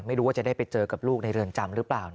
ไม่รู้ว่าจะได้ไปเจอกับลูกในเรือนจำหรือเปล่า